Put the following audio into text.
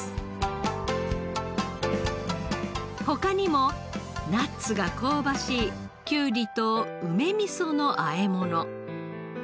他にもナッツが香ばしいきゅうりと梅味噌の和え物。